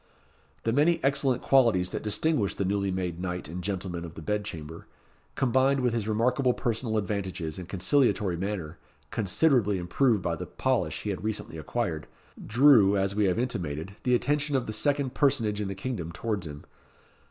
The many excellent qualities that distinguished the newly made knight and gentleman of the bed chamber, combined with his remarkable personal advantages and conciliatory manner, considerably improved by the polish he had recently acquired, drew, as we have intimated, the attention of the second personage in the kingdom towards him.